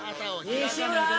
西村！